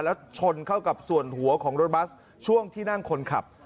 แล้วชนเข้ากับส่วนหัวของรถบัสช่วงที่นั่งคนขับ